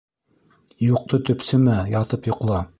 Юҡты төпсөмә, ятып йоҡла.